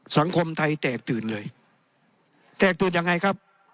สังคมไทยแตกตื่นเลยแตกตื่นยังไงครับ